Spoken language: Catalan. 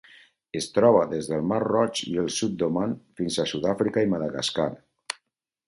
Es troba des del Mar Roig i el sud d'Oman fins a Sud-àfrica i Madagascar.